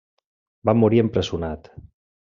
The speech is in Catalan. Va morir empresonat.